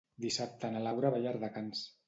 Dissabte na Laura va a Llardecans.